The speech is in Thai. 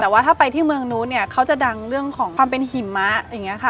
แต่ว่าถ้าไปที่เมืองนู้นเนี่ยเขาจะดังเรื่องของความเป็นหิมะอย่างนี้ค่ะ